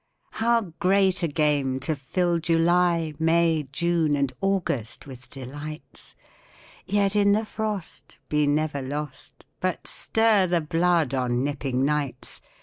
How great a game to fill July, May, June, and August with delights, Yet in the frost Be never lost, But stir the blood on nipping nights!